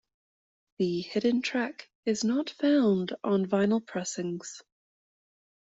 The hidden track is not found on vinyl pressings.